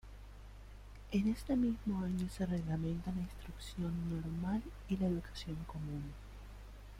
En este mismo año se reglamenta la Instrucción Normal y la Educación Común.